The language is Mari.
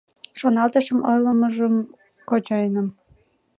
Шоналтышым ойлымыжым кочайыным.